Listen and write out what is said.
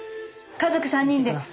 家族３人で。